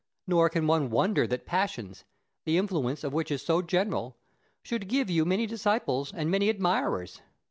Nor can one wonder that passions, the influence of which is so general, should give you many disciples and many admirers.